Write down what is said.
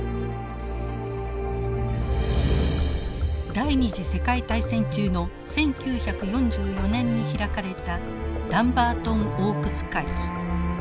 第２次世界大戦中の１９４４年に開かれたダンバートン・オークス会議。